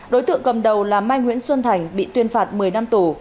đối tượng cầm đầu là mai nguyễn xuân thành bị tuyên phạt một mươi năm tù